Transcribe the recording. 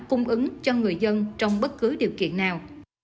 cung ứng cho người dân trong bất cứ điều kiện nào